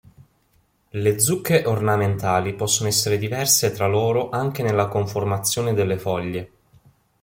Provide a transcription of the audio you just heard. Le zucche ornamentali possono essere diverse tra loro anche nella conformazione delle foglie.